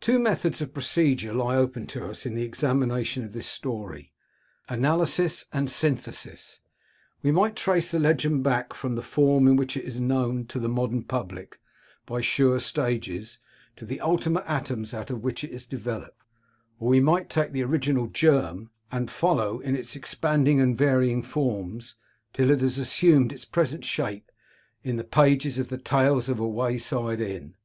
Two methods of procedure lie open to us in the examination of this story, analysis and synthesis. We might trace the legend back from the form in which it is known to the modem public, by sure stages, to the ultimate atoms out of which it is developed, or we might take the original germ, and follow it in its expanding and varying forms, till it has assumed its present shape in the pages of the Tales of a Wayside Inn.